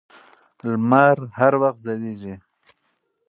لمر هر وخت ځلېږي.